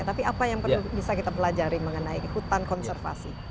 tapi apa yang perlu bisa kita pelajari mengenai hutan konservasi